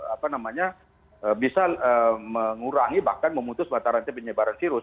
apa namanya bisa mengurangi bahkan memutus bataran penyebaran virus